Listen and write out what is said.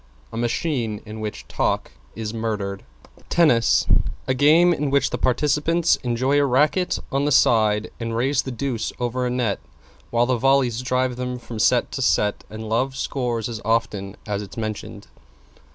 A machine in which talk is murdered. =TENNIS= A game in which the participants enjoy a racket on the side and raise the deuce over a net, while the volleys drive them from set to set and love scores as often as it's mentioned.